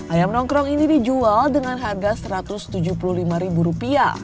ayam nongkrong ini dijual dengan harga rp satu ratus tujuh puluh lima